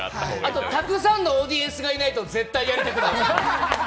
あとたくさんのオーディエンスがいないとやりたくないです。